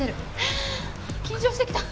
あ緊張してきた。